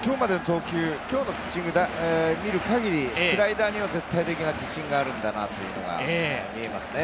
今日のピッチングを見る限り、スライダーには絶対的な自信があるんだなというのは見えますね。